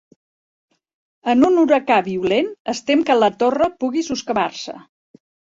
En un huracà violent, es tem que la torre pugui soscavar-se.